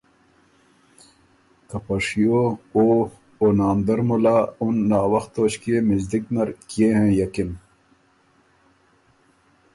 که په شیو او او ناندر مُلا اُن ناوخت توݭکيې مِزدِک نر کيې هېںئکِن۔